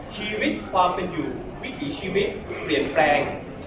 ชีวิตความเป็นอยู่วิถีชีวิตเปลี่ยนแปลง